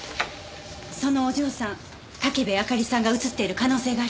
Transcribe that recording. そのお嬢さん武部あかりさんが映っている可能性があります。